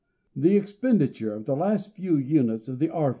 The expenditure of the last few units of the R.